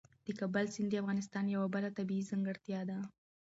د کابل سیند د افغانستان یوه بله طبیعي ځانګړتیا ده.